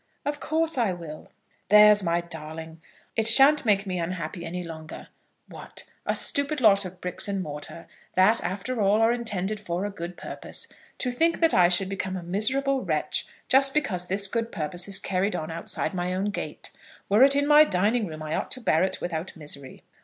"Of course I will." "There's my darling! It shan't make me unhappy any longer. What! a stupid lot of bricks and mortar, that, after all, are intended for a good purpose, to think that I should become a miserable wretch just because this good purpose is carried on outside my own gate. Were it in my dining room, I ought to bear it without misery."